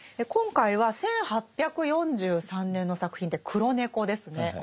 今回は１８４３年の作品で「黒猫」ですね。